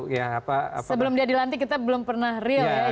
sebelum dia dilantik kita belum pernah real ya